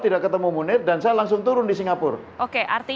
saya sudah ketemu munir dan saya langsung turun ke singapura